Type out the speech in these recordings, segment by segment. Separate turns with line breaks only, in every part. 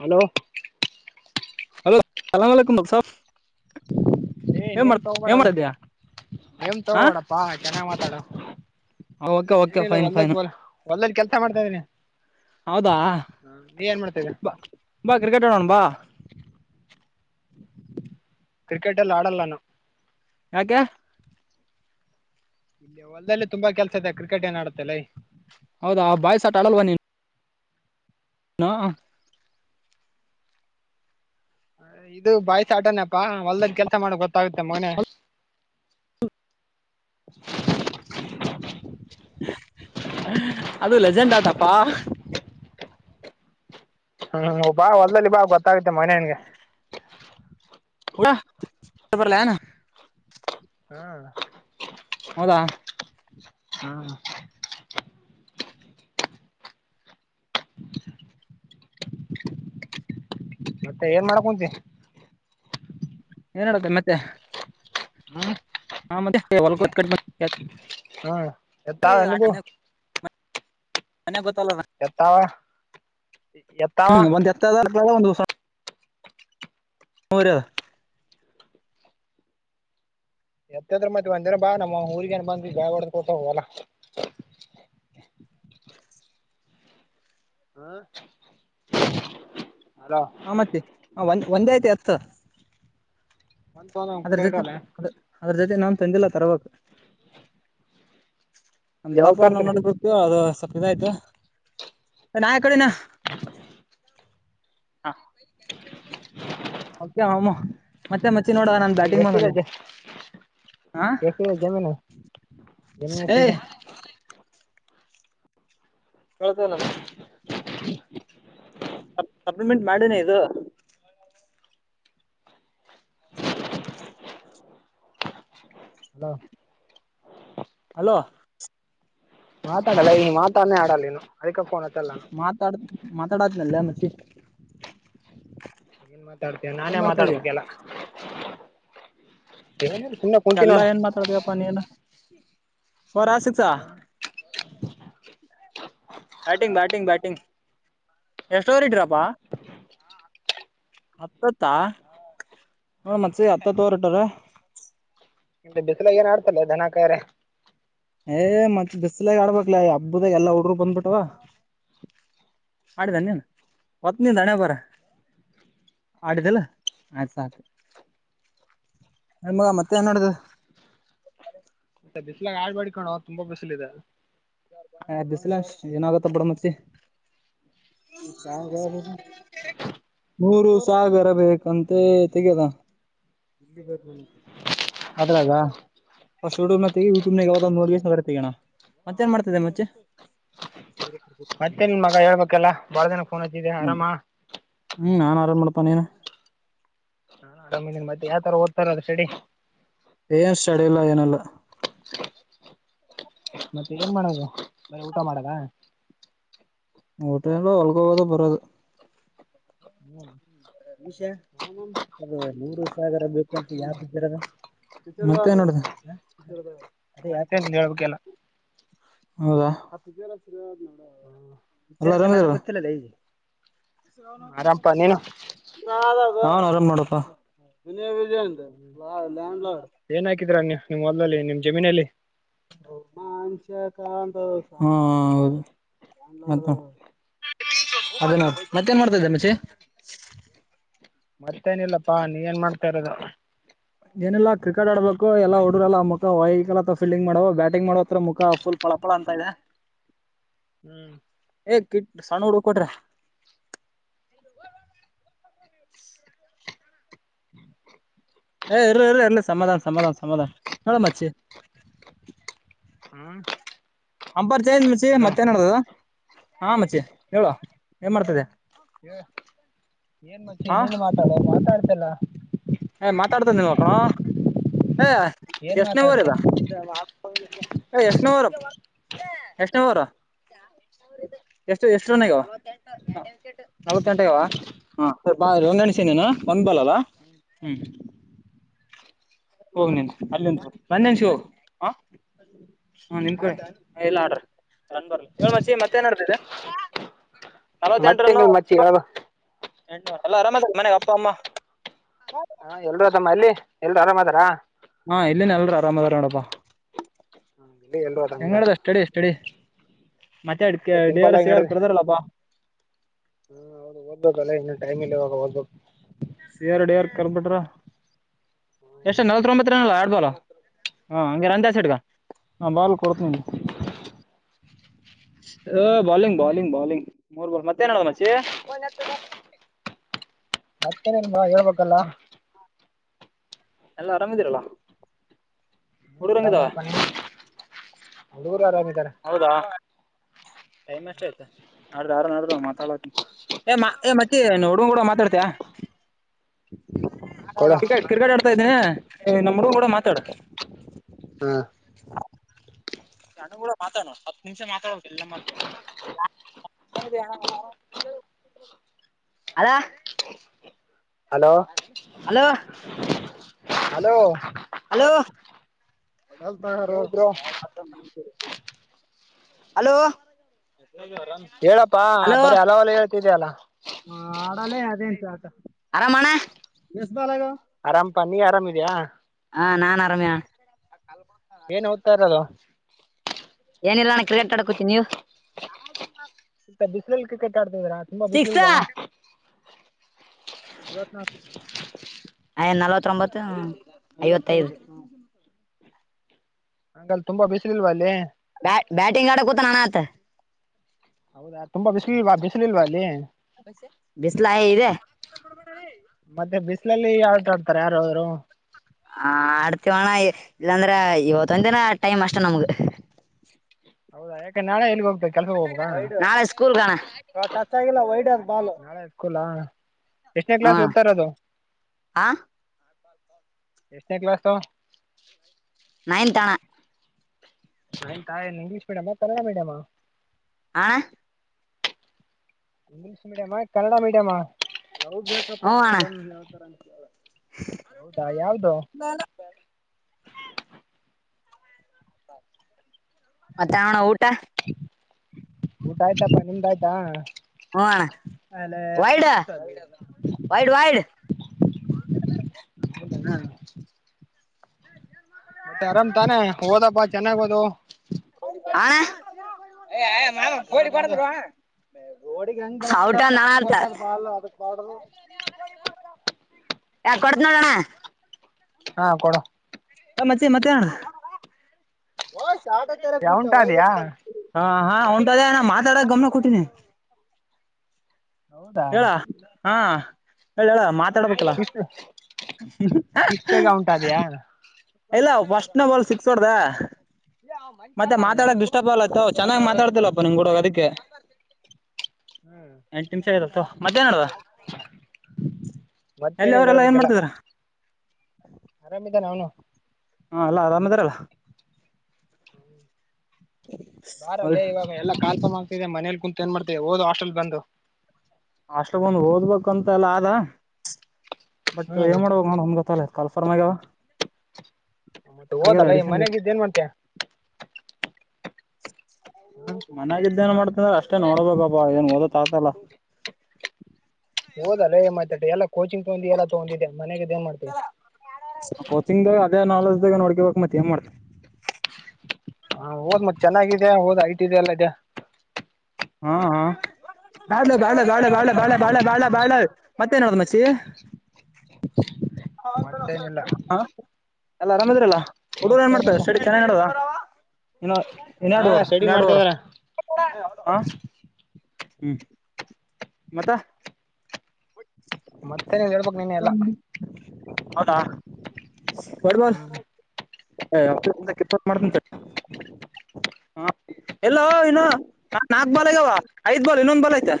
Hello
hello ಸಲಾಮಕುಮ ಬಕ್ತ ಸಾ
ಏ್ ನೇಮ್ ತಗೋಬೇಡ ಅಲ್ಲ ನೇಮ್
ಹಾ
ತಗೋಬೇಡಪ್ಪಾ ಚೆನ್ನಾಗ ಮಾತಾಡ
ಓಕೆ ಓಕೆ ಫೈನ್ ಫೈನ್
ಊಟ ಮಾಡ್ತಾ ಇದ್ದೀನಿ
ಹೌದಾ
ಇದಿಯಾ
ಬಾ ಕ್ರಿಕೆಟ್ ಹೋಗಣ ಬಾ
ಕ್ರಿಕೆಟ್ ಎಲ್ಲಿ ಆಡಲ್ಲ ನಾನು
ಯಾಕೆ
ಇಲ್ಲ ಹೊಲ್ದದಲ್ಲಿ ತುಂಬಾ ಕೆಲ್ಸ ಇದೆ ಕ್ರಿಕೆಟ್ ಏನ್ ಆಡುತ್ತೆಲ್ಲ
ಹೌದಾ ಬಾಯ್ಸಟ್ ಆಡಲ್ವಾ ನೀನು ನಾ
ಇದು ಬಾಯ್ಸ ಆಟನಪ್ಪಾ ಹೊಲ್ದದ ಕೆಲ್ಸ ಮಾಡ ಗೊತ್ತಾಗುತ್ತೆ ಮಗನೆ
ಹ ಅದು ಲೆಜೆಂಡ್ ಆಟಪ್ಪಾ
ಹ್ಮ್ ಬಾ ಹೊಲ್ದಲ್ಲಿ ಬಾ ಗೊತ್ತಾಗತ್ತೆ ಮಗನ ನಿಂಗೆ
ಹುಳ ತೊಂಬರೆಲಾ ನಾ
ಹ್ಮ
ಹೌದಾ
ಹ್ಮ ಮತ್ತೆ ಏನ್ ಮಾಡಕ ಕುಂತಿ
ಏನ್ ಹೇಳುತ್ತೆ ಮತ್ತೆ
ಹ್ಮ
ಹಾ ಮತ್ತೆ ಹೊಲ್ಕೋತ್ ಕಟ್
ಹ್ಮ ಎತ್ತಾ ಅನುಬೋ
ಮ ಬ
ಎತ್ತಾವ ಎತ್ತಾವ
ಹ್ಮ್ ಒಂದ್ ಎತ್ತದ ಕ ಒಂದು ಹೊಸದ ಮೂರು
ಎತ್ತದ್ರ ಮತ್ತೆ ಒಂದ ದಿನ ಬಾ ನಮ್ಮ ಊರಿಗೆ ಏನ್ ಬಂದ ಜೋಳ ಬಡದ್ ಕೊಟ್ಟ ಹೋಗಲ್ಲ ಹಾ
ಆ ಮತ್ತೆ ಒಂದ್ ಒಂದೇ ಆಯ್ತಿ ಎತ್ತು
ಒಂದ್ ತೊಗೊಂಡ್ ಒಂದ್
ಅದ್ರ
ಕುಂಟೆ
ಜೊತೆ
ಇಟ್ವಲೆ
ಅದ್ರ ಜೊತೆ ನಾ ತಂದಿಲ್ಲ ತರಬೇಕು ನಮ್ಮ
ಯಾವಾಗ
ದೊಡ್ಡಪ್ಪ ನೋ
ತರ್ತೀರಿ
ಕೂತವಿ ಅದ ಸಪ್ಪದಾಯ್ತು ನಾಳೆ ಕಡೆ ನ ಮತ್ತೆ ಮತ್ತೆ
ಎಷ್ಟಿದೆ
ಹಾ
ಎಷ್ಟಿದೆ ಜಮೀನು ಜಮಿ
ಏ
ಉತದೆ [unintelligible]
ಕೇಳ್ತೇನಲ್ಲ
[unintelligible]
ಸಪ್ಲಿಮೆಂಟ್ ಮಾಡನೆ ಇದು
ಅ
ಹಲೋ
ಮಾತಾಡಲ್ಲ ಈ ಮಾತಾಡಾನೇ ಆಡಲ್ಲ ನೀನು ಅದಕ್ಕೆ ಫೋನ್ ಹಚ್ಚಲ್ಲ ನಾನು
ಮಾತಾಡ್ ಮಾತಾಡದನಲ್ಲ ಮಸಿ
ಏನ್ ಮಾತಡತಿಯ ನಾನೇ
ಏನ್ ಮಾಡ್ತಾ ಇದೀಯ
ಮಾತಾಡ್ಬೇಕ ಎಲ್ಲ ವನ
ಎಲ್ಲಾ ಏನ್ ಮಾತಾಡ್ತಿಪ್ಪ ನೀನ ಹ್ಮ ಸ್ರಸಸ [unintelligible]
ಹ
ಬ್ಯಾಟಿಂಗ್ ಬ್ಯಾಟಿಂಗ್ ಬ್ಯಾಟಿಂಗ್ ಎಷ್ಟು ಓವರಿಗೆ ಡ್ರಾಪ್. ಪಾ. ಹತ್ತತ್ತ ಹ ಮತ್ಸ ಹತ್ತತ್ ರ್ಟಾರ.
ಇತ್ತ ಬಿಸಿಲ ಏನ್ ಆಡ್ತಲ್ಲ ಧನ ಕರೆ.
ಏ ಮಂತ್ ಬಿಸ್ಲಾಗ ಆಡ್ಬಕ್ಲ ಹಬ್ಬದಾಗ ಎಲ್ಲಾ ಹುಡಗುರು ಬಂದ್ಬಿಟ್ಟವಾ ಆಡಿದ ನೀನ್ ಹೊತ್ ನೀನ್ ಹಣೇ ಬರ ಆಡಿದಲ್ಲ ಆಯ್ತ ಸಾಕ ಮಗ ಮತ್ತೆ ಏನ್. ಆಡಿದ
ಮತ್ತೆ ಬಿಸ್ಲಾಗ ಆಡ್ಬ್ಯಾಡಿ ಕಣೋ ತುಂಬಾ ಬಿಸಿಲಿದೆ.
ಹ ಬಿಸಲಗ ಸ್ಟ್ರೈನ್ ಆಗತ್ತ ಬಡ ಮಚ್ಚಿ. ಚ ನರು ಸಾಗರ ಬೇಕಂತೇ ತೆಗಿ ಅದನ್ನಾ. ಅದ್ರಾಗ ಶುಡ್ಯೂಬ್ನಾಗ ತೇಗಿ ಯೂಟ್ಯೂಬ್ ನಾಗ ಯಾವಡೋ ನೋಡ್. ಹೋಗಣ ಮತ್ತೇನ್ ಮಾಡ್ತ. ಮಚ್ಚಿ.
ಮತ್ತೆ ಏನ್ ಮಗ ಹೇಳ್ಬೇಕೆಲ್ಲ ಬಾಳ ದಿನಕ್ಕೆ ಫೋನ್ ಹಚ್ಚಿದೇಯಾ ಆರಾಮ.
ಹ್ಮ್ ನಾನ್ ಆರಾಮ್ ಮಾಡ್ಪಾ ನೀನು.
ನಾ ಆರಾಮಿದೀನಿ ಮತ್ತೆ ಯಾವ್ತರ ಓದ್ತಾರೋದು ಸ್ಟಡಿ.
ಏನ್ ಸ್ಟಡಿಲ್ಲ ಏನಿಲ್ಲ.
ಮತ್ತೆ ಏನ್ ಮಾಡದು ಬರಿ ಊಟ ಮಾಡದ.
ಊಟ ಎಲ್ಲಾ ಹೊಳ್ಗೋಗೋದು ಬರೋದು. ಅದು ನೂರು ಸಾವಿರ ಬೇಕಂತ ಯಾ ಹುದ್ದೆರಾಗ.
ಮತ್ತೆ ನೀ ಹೇಳ್ಬೇಕ ಎಲ್ಲ.
ಹೌದಾ. ಗೊತ್ತಿಲ್ಲ ಲೇ.
ಆರಾಮ್ ಪಾ ನೀನು.
ನಾನ್ ಆರಾಮ್ ನೋಡಪ್ಪಾ. ವಿಜಯ ವಿಜಯಂತನೇ ಲ್ಯಾಂಡ್ ಲಾರ್ಡ್.
ಏನ್ ಹಾಕಿದ್ರ ನೀವು ನಿಮ್ ಹೊಲ್ದಲ್ ನಿಮ್ ಜಮೀನಲ್ಲಿ.
[unintelligible] ಹಾ ಹೌದ್ ಮತ್ತೇನ್ ಮಾಡ್ತಿದ್ಯ ಮಚ್ಚಿ.
ಮತ್ತೇನಿಲ್ಲಪ್ಪಾ ನೀ ಏನ್ ಮಾಡ್ತಿರೋದು.
ಏನಿಲ್ಲಾ ಕ್ರಿಕೆಟ್ ಆಡ್ಬೇಕು ಎಲ್ಲಾ ಹುಡುಗ್ರು ಆ ಮುಖ ವೈಕಲ್ಲವಾ ಫೀಲ್ಡಿಂಗ್ ಮಾಡೋ ಬ್ಯಾಟಿಂಗ್ ಮಾಡೋ ಹತ್ರ ಮುಖ ಫುಲ್ ಫಳಫಳ ಅಂತ ಇದೆ.
ಹ್ಮ್
ಏ ಕಿಟ್ ಸಣ್ಣ ಹುಡುಗ್ರುಗ್ ಕೊಡ್ರ.
[unintelligible]
ಏ ಇರೋ ಇರೋ ಇರ್ಲಿ ಸಮಾಧಾನ ಸಮಾಧಾನ ಸಮಾಧಾನ ನೋಡೋ ಮಚ್ಚಿ.
ಹ್ಮ್.
ಅಂಬರ್. ಏನ್ ಮಚ್ಚಿ
ಹಲೋ
ಮತ್ತೆನ್ನಾಡ್ದದ. ಹಾ ಮಚ್ಚಿ ಹೇಳೋ ಏನ್ ಮಾಡ್ತತಿದೆ.
ಏನ್ ಮಚ್ಚಿ
ಹಾ
ನೀನು ಮಾತಾಡ ಮಾತಾಡ್ ತಿಲ್ಲ
ಏ ಮಾತಾಡ್ತತಿದ್ದನಲ್ಲ ಕಣೋ. ಏ
ಏನ್
ಎಷ್ಟನೇ ಓವರ್
ಮಾತಾಡ್ತೆ
ಎಷ್ಟನೇ ಓವರ್ ಎಷ್ಟ್ ಎ ಓವರ ಎಷ್ಟ ಎಷ್ಟು ರನ್ ಆಗ್ಯಾವ. ನಲವತ್ತೆಂಟ್ ಆಗ್ಯಾವ ಹಾ. ಬಾ ರೋಂಗಣಿಸನೇನ ಒಂದ್ ಬಲ್ಲ್ಲ. ಹ್ಮ್ ಹೋಗ್ ನಿನ್ ಅಲ್ಲಿಂದ ನಂದ ನಿನ್ಷಿ ಹೋಗ ಹ ನಿಮ್ ಕಡೆ ಎಲ್ಲ ಆಡ್ರಿ ಬರ್ ಹೇಳ್ ಮಚ್ಚಿ ಮತ್ ಏನ್ ಆಡ್ತಿದ್ಯೆ.
ಮತ್ತೆಂಗ ಮಚ್ಚಿ ಹೇಳ್ಬಕ್.
ಎಂಟ್ನೂರ್ ಎಲ್ಲ ಆರಾಮ್ ಅದರೇನು ಮನೆಗ್ ಅಪ್ಪ ಅಮ್ಮ.
ಹ ಎಲ್ರೂ ಅದಮ್ಮ ಅಲ್ಲಿ ಎಲ್ರುೂ ಆರಾಮ್ ಅದಾರ.
ಹಾ ಇಲ್ಲಿನ್ ಎಲ್ರು ಆರಾಮ್ ಅದಾರ ನೋಡಪಾ.
ಇಲ್ಲಿ ಎಲ್ರೂ ಆರಾಮದ
ಹೆಂಗಡ್ದ ಸ್ಟಡಿ ಸ್ಟಡಿ. ಮತ್ತೆ
ಅಷ್ಟೆ
ಡಿ
ಸಿಂಪಲ್
ಆರ್
ಆಗಿ
ಸಿ ಆರ್
ನಡ್ದ
ಕರ್ದಾರಲ್ಲಪ್ಪಾ
ಹ ಹೌದು ಹೋಗ್ಬೇಕುಲ್ಲ ಇನ್ನು ಟೈಮ್ ಇಲ್ಲ ಹೋಗ್. ಒದ್ಬೇಕ್.
ಸೆರ್ಡ ಏರ್ ಕರ್ಬಿಟ್ರ ಎಷ್ಟ ನಲ್ವತ್ತೋಮ್ಬತ್ತ ನಲ್ಲ ಆಡ್ ಬಾಲ್ ಹಾ ಹಂಗಾರ ಅ ಸೈಡ್ಗ ಹ ಬಾಲ್ ಕೊಡತ್ನಿ ಆ ಬಾಲಿಂಗ್ ಬಾಲಿಂಗ್ ಬಾಲಿಂಗ್ ಮೂರ್ ಬಾಲ್ ಮತ್ತೆ ಅಡ್ದೆನ್ ಮಚ್ಚಿ.
ಹತ್ತರೇಲ್ವಾ ಹೇಳ್ಬೇಕಲ್ಲ.
ಎಲ್ಲ ಆರಾಮಿದೀರಲ್ಲ.
ಹ್ಮ ಅರಾಮ್ ನೋಡಪ್ಪ ನಿ. ಹಡ್ಗುರು ಆರಾಮ್
ಹೌದಾ ಟೈಮ್ ಎಷ್ಟ ಆಯ್ತಾ. ನ ನಡ್ದರು ಮಾತಾಡ ಏ ಮಚ್ಚಿ ಹುಡ್ಗುರು ಅವ್ರ್ ಮಾತಾಡ್ತಿಯ.
ಕೊಡು
ಕ್ರಿಕೆಟ್ ಕ್ರಿಕೆಟ್ ಆಡ್ತಾ ಇದ್ದೀನಿ. ಏ ನಮ್ಡು ಮೂಡ ಮಾತಾಡ್.
ಹಾ.
ಹಣ್ಣ ಕೂಡ ಮಾತಾಡೋ ಹತ್ತು ನಿಮಿಷ ಮಾತಾಡೋ ಎಲ್ಲ ಮತ್ರ ಅದ.
Hello
hello.
ಹಲೋ.
ಹಲೋ ಲ್ತ ಹಾರೋ
ಹೇಳಿದ್ರು
ಹಲೋ
ಹೇಳಪ್ಪಾ
ಹಲೋ
ಬರೀ ಹಲವಲ್ಲ ಹೇಳ್ತಿದ್ಯಲ್ಲ.
ಅದೆ ಅದೇಂತ ಆತ ಆರಾಮಣ್ಣ ಎಷ್ಟ ಅಲ.
ಆರಾಮ್ಪಾ ನೀ ಆರಾಮಿದ್ಯಾ.
ಹಾ ನಾನ್ ಆರಮಿಯ.
ಏನ್ ಹೋಗ್ತಾ ಇರದು.
ಏನಿಲ್ಲ ನಣ ಕ್ರಿಕೆಟ್ ಆಡಕೋತಿ ನೀವು.
ಇತ್ತ ಬಿಸಿಲುಲ್ ಕಟ್ಟ ಆಡ್. ರಾ ತುಂಬಾ
ಸಿಕ್ಸ್
ಬಕ್ಕಿಲ್ವಾ.
ಐವ ನಲ್ವತ್ತೊಂಬತ್ತು ಐವತ್ತೈದು.
ಹಂಗಲ್ಲಿ ತುಂಬಾ ಬಿಸಿಲಿಲ್ವಾ ಅಲ್ಲಿ.
ಬ ಬ್ಯಾಟಿಂಗ್ ಆಡ ಕೂತ ನಣ ಆತ
ಹೌದಾ ತುಂಬಾ ಬಿಸಿಲುಲ್ವಾ ಬಿಸಿಲುಲ್ವಾ ಅಲ್ಲಿ
ಬಿಸ್ಲ ಇದೆ
ಮತ್ತೆ ಬಿಸ ಅಲ್ಲಿ [unintelligible] ಆಡ್ತಾರೆ ಯಾರ ಅವರು
ಹ ಆಡ್ತಿವಣ ಇಲ್ಲಾಂದ್ರ ಇವತ್ತು ಒಂದಿನ ಟೈಮ್ ಅಷ್ಟ ನಮಗ
ಹೌದ ಯಾಕೆ ನಾಳೆ ಎಲ್ಗೆ ಹೋಗ್ಬೇಕು ಕೆಲ್ಸಕ್ಕೆ ಹೋಗ್ಬೇಕಾ
ನಾಳೆ ಸ್ಕೂಲ್ಗ್ಣ ಟಚ್ ಆಗಿಲ್ಲ ವೈಡದ್ ಬಾಲು
ನಾಳೆ ಸ್ಕೂಲಾ ಎಷ್ಟನೇ
ಹ
ಕ್ಲಾಸ್ ಓದ್ತಾ ಇರೋದು
ಹ
ಎಷ್ಟನ ಕ್ಲಾಾಸು
ನಯಂತಣ
ನ ಇಂಗ್ಲಿಶ ಮೀಡಿಯ್ ಕನ್ನಡ ಮೀಡಿಯಮ
ಆ
ಇಂಗ್ಲೀಷ್ ಮೀಡಿಯಮ ಕನ್ನಡಾ ಮೀಡಿಯಮ
ಲವ ಬೇಕ ಹು ಅಣ.
ಹೌದಾ ಯಾವ್ದು
ಹ ಮತ್ತಅಣ್ಣ ಊಟ
ಊಟ ಆಯ್ತಪ್ಪ ನಿಮ್ದ ಆಾಯ್ತಾ
ಹಣ ವೈಡ ವೈಡ್ ವೈಡ್
[unintelligible] ಮತ್ತೆ ಆರಾಮ್ ತಾನೆ ಓದಪ್ಪಾ ಚೆನ್ನಾಗ್ ಓದು
ಹ [unintelligible] ಹಿಿ
ಓದಂದೆ
ಪಡದುರುವ [inaudible] ಓಡಿ. [inaudible] ಹೌಟಾ, ನಾನತ? [inaudible] ಯಾವಧೂರಲೋ, ಕೊಡುತೀನಿ, ನೋಡೋಣ? [unintelligible]
ಹಾ, ಕೊಡು. [inaudible]
ಹ ಮತ್ತೆ ಮತ್ತೆಣ? [inaudible] ವಾಷ್. [inaudible] ಟ ಜರ ಊಟ ವೈ
ಉಂಟಾದ್ಯಾ
ಹಾ, ಒಂಟದೇ, ನ, ಮಾತಾಡ, ಗಮನ ಕೊಟ್ಟಿನಿ. [inaudible]
ಹೌದಾ
ಹೇಳಾ? [inaudible] ಹಾ, ಹೇಳುಹೇಳು, ಮಾ. [inaudible] ಮತ್ಹಾಡುಬೇಕುಳ?
ಇಷ್ಟು ಇಷ್ಟು ಬೇಗ ಉಂಟಾದ್ಯಾ
[inaudible] ಇಲ್ಲ, ಫಸ್ಟ್ ನ, ಬಾಲ್ ಸಿಕ್ಸ್ ಹೊಡ್ದ. [inaudible] ಮತ್ತೆ,
ಹಾ
ಮಾತಾಡಕ್, ಡಿಸ್ಟ್ರಿಕ್ಟ್, ಅಗಲ ತಾಕೋಳಿ? [inaudible] ಚೆನ್ನಾಗ್ ಮಾತಾಡ್ತಿಲ್ಲಪ್ಪ! ನಿಂಗ ಕೂಡ ಅದಕ್ಕೆ? [inaudible]
ಹ್ಮ್... [inaudible]
ಮತ್ತೆೇನ್, ಮಾಡೋದು? [inaudible] ಎಲ್ಲಿ
ಮತ್ತೇನು,
ಅವರೆಲ್ಲ ಏನ್
ಹೇಳ್ಬೇಕೆಲ್ಲ
ಮಾಡ್ತಿದ್ರ
ಆರಾಮಿದಾನ, ಅವನು? [unintelligible]
ಹಾ, ಅಲ್ಲಾ ಆ, ರಾಮ್ದಾರಲ್ಲ. [inaudible]
ಬಾರಲೈ, ಇವಾಗ, ಎಲ್ಲಾ. [inaudible] ಕಾಲ್ಕ್, ಆಗ್ತಿದೆ ಮನೇಲಿ ಕುಂತ್ ಏನ್ ಮಾಡ್ತಿಯ ಓದ್ ಹಾಸ್ಟೆಲ್ ಬಂದು. [inaudible]
ಅಷ್ಟಗೊಂದು, ಓದ್ಬೇಕಂತ, ಎಲ್ಲ, ಆದರೆ. [inaudible] ಬಟ್
ಹ್ಮ್
ಏನ್, ಮಾಡಬೇಕು, ನೋಡು, ನಮಗೂ, ಗತ್ತಲ್ಲತ್ತು, ಕಾಫರ್ಮ ಆಗ್ಯಾವ. [unintelligible]
ತಮತ್ತೆ,
ಹೋಗ್ಯದ
ಹೊದ್ಲೈ, ಈ
ಅಡಿಷನ್
ಮನ್ಯಾಲೀ, ಕುಂತು, ಏನು, ಮಾಡುತ್ತೀಯಾ? [inaudible]
ಮನ್ಗಿದ್ದ್ದೇನ್, ಮಾಡ್.. [unintelligible] ಅಂದ್ರೆ, ಅಷ್ಟೇ ನೋಡಬೇಕಪ್ಪಾ! ಏನ್ ಒದಹಾಕು ಆಗುತ್ತಾಲ. [inaudible]
ಹೋಧಲೈ, ಮತ್ತೆ, ಎಲ್ಲ, ಕೋಚಿಂಗ್ ತಗೊಂಡಿದ್ದ, ಎ ತಗೊಂಡಿದ್ದಿಯಾ, ನೀನು? [inaudible]
ಕೋಚಿಂಗ್, ಅದೇ ನಾಲೆಜ್? [inaudible] ನೋಡ್, ಹಕ್ ಮತ್ತ ಮಾಡ. [unintelligible]
ಹಾ, ಹಓದ್ ಮತ್ ಚೆನ್ನಾಗಾಗಿದೆ ಓದ್ ಐಟ್ದೆಲ್ಲ ಇದ. [inaudible]
ಹಾ ಹಾ, ಧಾಡು, ಧಾಡು. [unintelligible] ಬಾಳ, ಬಾಳ,
ಹಾ
ಬಾಳ, ಬಾಳ ಬಾಳ ಬಾಳ್ಳು.. [unintelligible] ಮತ್ತೇ, ನೋಡುದು, ಮಚಿ. [inaudible]
ಪ
ಹಾ ಎಲ್ಲರೂ ಆರಾಮ್ ಅದಿರಲ್ಲ ಹುಡುಗರು ಏನ್ ಮಾಡ್ತಾರೆ
ಮತ್ತೇನಿಲ್ಲ
ಸ್ಟಡಿ ನಡದ ಇನ್ನ
ಹಾ
ಇನ್ನಡುುವರ್
ಸ್ಟಡಿ ಮಾಡ್ತಾ
ಇನ್ನಡುುವರು
ಇದಾರ
ಹ ಹೂ ಮತ್ತ
ಮತ್ತೆ, ನೀನ್ ಹೇಳ್ಬಕ್ ನೀನೆ ಎಲ್ಲ? [unintelligible]
ಹೌದಾ. [unintelligible] ಹೊಡಿಬಾರೊ.
ಹ್ಮ್
[unintelligible] ಎಲ್ಲೋ ಇನು ನಾಕ್ ಬಾಲ್ಗಾವ ಐದ್ ಬಾಲ್ ಇನ್ನೊಂದ ಬಾಲ್ ಆಯ್ತ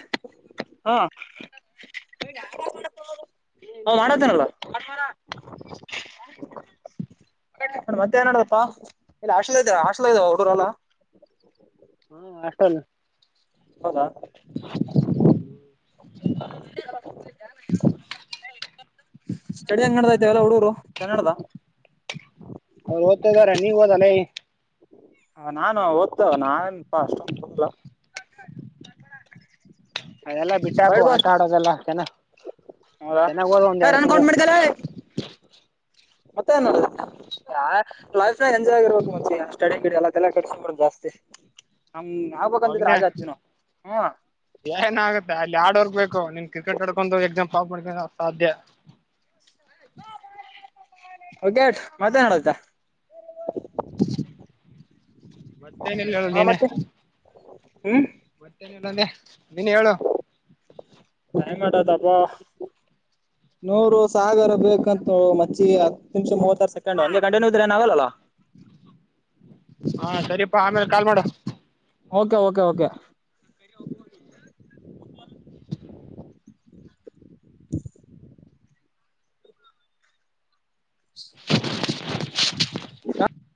ಹ್ಮ್. [unintelligible] ಹೇ ಯಾರದು ನೋಡು
ಹ್ಮ್ ಹಾಸ್ಟೆಲ್
ಹೌದಾ ಸ್ಟೆಡಿ ಹೆಂಗ್ ನೆಡೆದವ ಹುಡುಗರು ಚೆನ್ನಾಗಿ ನೆಡದವ
ಅವ್ರು ಓದ್ತಾ ಇದಾರ ನೀವ್ ಓದಲ್ಲೇ
ನಾನು ಓದ್ತ ನಾನ್ಪಾ ಅಷ್ಟೊಂದು ಹಲ್ಲ
ಅದೆಲ್ಲ ಬಿಟ್ಟಾಕು
ವೈಟ್
ಆಟ
ಬಾಲ್
ಆಡೋದೆಲ್ಲ ಜೆನ
ಹೌದಾ ರನ್ ಕೌಂಟ್ ಮಾಡ್ಕಳೇ ಮತ್ತೆ ನ್ಡ ಲೈಫ್ ನ ಎಂಜಾಯ್ ಆಗಿರ್ಬೇಕು ಮುಂಚೆ ಸ್ಟಡಿ ಗಿಡಿ ಎಲ್ಲಲ್ಲ ಕಟ್ಸಂಬಡ್ ಜಾಸ್ತಿ ಹಂಗ್ ಆಗ್ಬೇಕಂತಿದ್ರೆ
ಮಗನೆೇ
ಆಗತ್ತೀವಿ ನಾವು ಹ್ಮ್
ಏನ ಆಗತ್ತೆ ಅಲ್ಲಿ ಹಾರ್ಡ್ವರ್ಕ್ ಬೇಕು ಹ ನೀನ್ ಕ್ರಿಕೆಟ್ ಎಕ್ಸಾಮ್ ಪಾಸ್ ಮಾಡ್ಕೊ ಸಾಧ್ಯ
ವಿಕೇಟ್ ಮತ್ತೆ ಆಡಕ
ಹ ಮತ್ತೇನಿಲ್ಲ ಹೇಳ ನೀನೇ
ಹೂ
ಮತ್ತೇನಲ್ಲ ಅಂದೆ ನೀನ್ ಹೇಳು
ಹೆಂಗ ಮಾಡದಪ್ಪಾ ನೂರು ಸಾಗರ ಬೇಕಂತೂ ಮಚ್ಚಿ ಹತ್ತು ನಿಮಿಷ ಮೂವತ್ತಾರು ಸೆಕೆಂಡ್ ಹಂಗೆ ಗಂಟೆನ್ಯೂ ಇದ್ರೆನ ಆಗಲ್ಲಾ
ಹಾ ಸರಿ ಪ್ಪಾ ಆಮೇಲೆ ಕಾಲ್ ಮಾಡ
ಓಕೆ ಓಕೆ ಓಕೆ ಹ ಹ ಹ